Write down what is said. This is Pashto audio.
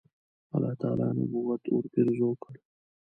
الله تعالی نبوت ورپېرزو کړ.